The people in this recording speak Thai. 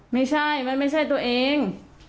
ไม่ใช่มันไม่ใช่ตัวเอง